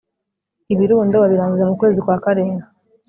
Ibirundo babirangiza mu kwezi Kwa karindwi